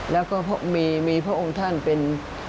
แล้วก็มีพระองค์ท่านเป็น